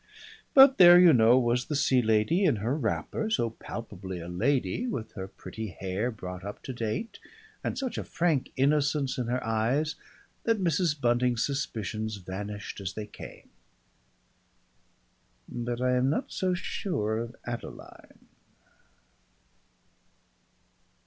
But there, you know, was the Sea Lady in her wrapper, so palpably a lady, with her pretty hair brought up to date and such a frank innocence in her eyes, that Mrs. Bunting's suspicions vanished as they came. (But I am not so sure of Adeline.)